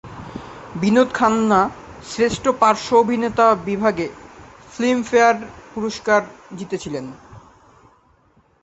বিনোদ খান্না শ্রেষ্ঠ পার্শ্ব অভিনেতা বিভাগে ফিল্মফেয়ার পুরস্কার জিতেছিলেন।